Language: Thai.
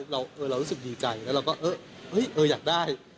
เรารู้สึกดีใจแล้วเราก็อยากได้